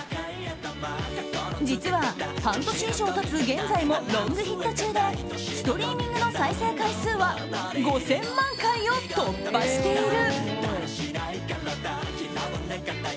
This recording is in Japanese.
実は、半年以上経つ現在もロングヒット中でストリーミングの再生回数は５０００万回を突破している。